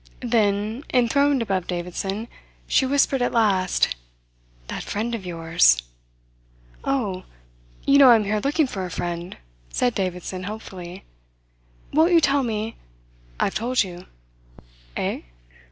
Then, enthroned above Davidson, she whispered at last: "That friend of yours." "Oh, you know I am here looking for a friend," said Davidson hopefully. "Won't you tell me " "I've told you" "Eh?"